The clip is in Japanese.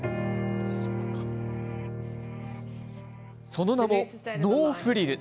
その名もノーフリル。